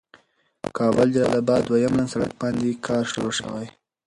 کابل جلال آباد دويم لين سړک باندې کار شروع شوي.